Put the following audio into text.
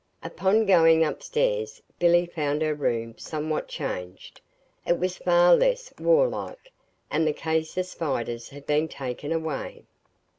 Upon going up stairs Billy found her room somewhat changed. It was far less warlike, and the case of spiders had been taken away.